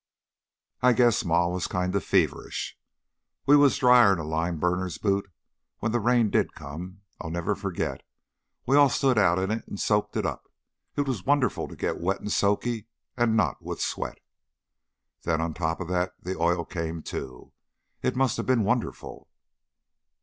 I guess Ma was kind of feverish. We was drier 'n a lime burner's boot when the rain did come. I'll never forget we all stood out in it and soaked it up. It was wonderful, to get all wet and soaky, and not with sweat." "Then on top of that the oil came, too. It must have been wonderful."